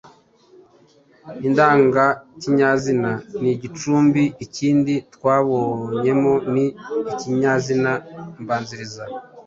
indangakinyazina n’igicumbi. Ikindi twabonyemo ni ikinyazina mbanziriza